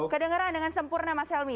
kedengeran dengan sempurna mas helmy